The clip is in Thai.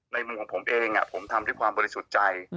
มุมของผมเองผมทำด้วยความบริสุทธิ์ใจ